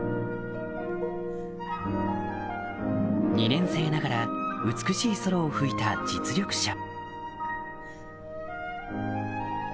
２年生ながら美しいソロを吹いた実力者